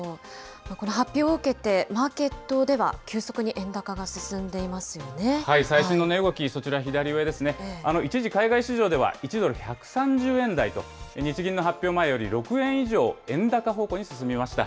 この発表を受けて、マーケットで最新の値動き、そちら、左上ですね、一時、海外市場では、１ドル１３０円台と、日銀の発表前より６円以上、円高方向に進みました。